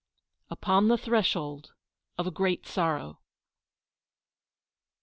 UPON THE THRESHOLD OF A GREAT SORROW.